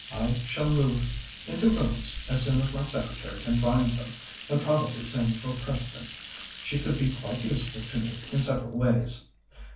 I shall move into rooms as soon as my secretary can find some, and probably send for Preston. She could be quite useful to me in several ways.